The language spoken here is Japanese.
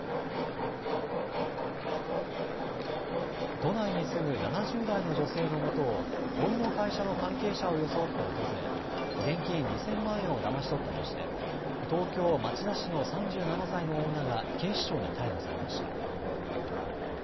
都内に住むに７０代の女性のもとをおいの会社の関係者を装って訪れ現金２０００万円をだまし取ったとして東京町田市の３７歳の女が警視庁に逮捕されました。